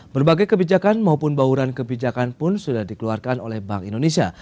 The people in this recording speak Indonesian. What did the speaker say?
berbagai kebijakan maupun bauran kebijakan pun sudah dikeluarkan oleh bank indonesia